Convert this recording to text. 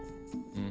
うん。